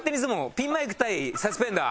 ピンマイク対サスペンダー。